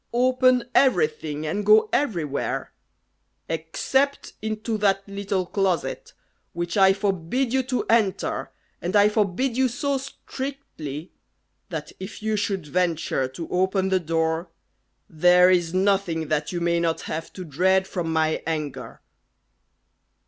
Open everything, and go everywhere except into that little closet, which I forbid you to enter, and I forbid you so strictly, that if you should venture to open the door, there is nothing that you may not have to dread from my anger!"